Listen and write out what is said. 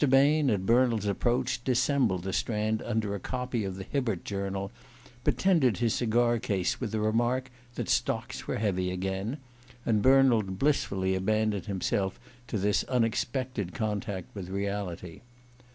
Bain, at Bernald's approach, dissembled the Strand under a copy of the Hibbert Journal, but tendered his cigar case with the remark that stocks were heavy again; and Bernald blissfully abandoned himself to this unexpected contact with reality.